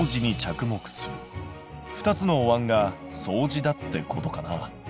２つのおわんが相似だってことかな。